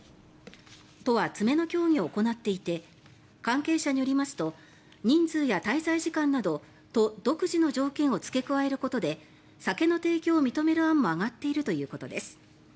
都は詰めの協議を行っていて関係者によりますと人数や滞在時間など都独自の条件を付け加えることで酒の提供を認める案も上がっているということです。